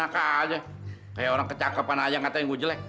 kayak orang kecapekan aja yang katanya gue jelek